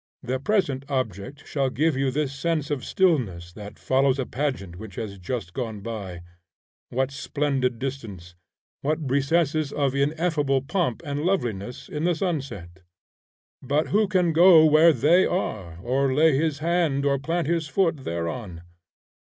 The present object shall give you this sense of stillness that follows a pageant which has just gone by. What splendid distance, what recesses of ineffable pomp and loveliness in the sunset! But who can go where they are, or lay his hand or plant his foot thereon?